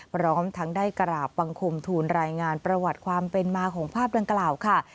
พร้อมทั้งได้กราบบังคมทูลรายงานประวัติความเป็นมาของภาพดังกล่าวค่ะ